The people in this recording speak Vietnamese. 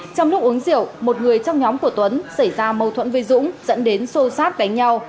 trong lúc uống rượu một người trong nhóm của tuấn xảy ra mâu thuẫn với dũng dẫn đến xô xát đánh nhau